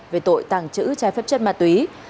về tội tàng trữ trái phép chất ma túy